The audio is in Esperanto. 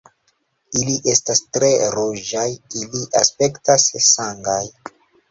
Ili estas tre ruĝaj. Ili aspektas sangaj.